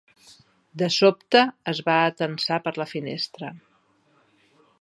De sobte, es va atansar per la finestra.